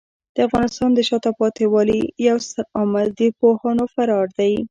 د افغانستان د شاته پاتې والي یو ستر عامل د پوهانو فرار دی.